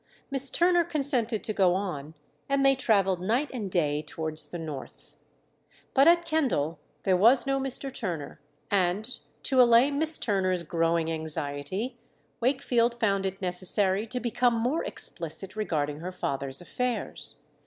Miss Turner consented to go on, and they travelled night and day towards the north. But at Kendal there was no Mr. Turner, and, to allay Miss Turner's growing anxiety, Wakefield found it necessary to become more explicit regarding her father's affairs.